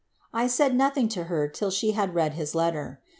1 said nothing to her till she had read his letter.